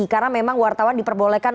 karena memang wartawan diperbolehkan